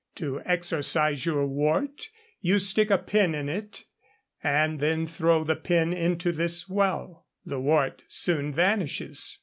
To exorcise your wart you stick a pin in it and then throw the pin into this well; the wart soon vanishes.